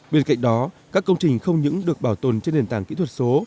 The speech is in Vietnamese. bên cạnh đó các công trình không những được bảo tồn trên nền tảng kỹ thuật số